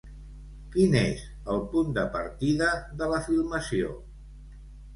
Quin és el punt de partida de la filmació?